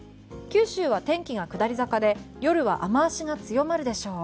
九州は天気が下り坂で夜は雨脚が強まるでしょう。